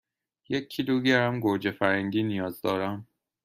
یک کیلوگرم گوجه فرنگی نیاز دارم.